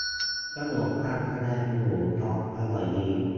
ขนมปังพะแนงหมู ท็อปส์ อร่อยดี